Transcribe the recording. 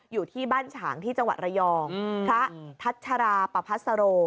อยู่ที่บ้านฉางที่จังหวัดระยองพระทัชราประพัสโร